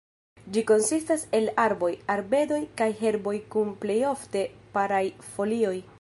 Ĝi konsistas el arboj, arbedoj kaj herboj kun plejofte paraj folioj.